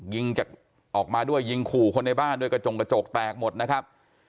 ยิงจากออกมาด้วยยิงขู่คนในบ้านด้วยกระจงกระจกแตกหมดนะครับ